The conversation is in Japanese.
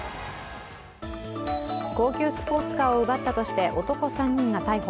高級スポーツカーを奪ったとして男３人が逮捕。